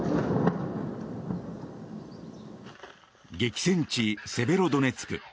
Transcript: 激戦地セベロドネツク。